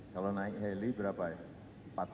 kalau naik heli berapa ya